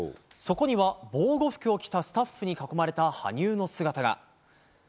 そこには、防護服を着たスタッフに囲まれた羽生の姿が。